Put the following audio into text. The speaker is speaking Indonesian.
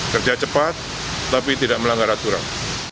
kerja cepat tapi tidak melanggar aturan